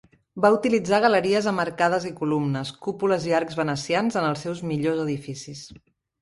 Va utilitzar galeries amb arcades i columnes, cúpules i arcs venecians en els seus millors edificis.